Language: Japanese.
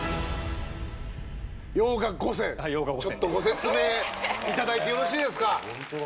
洋画５選ちょっとご説明いただいてよろしいですか？